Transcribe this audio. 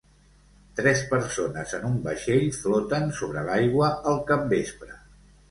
Tres persones en un vaixell floten sobre l'aigua al capvespre.